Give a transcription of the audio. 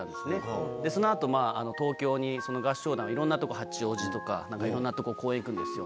その後東京にその合唱団はいろんなとこ八王子とかいろんなとこ公演行くんですよ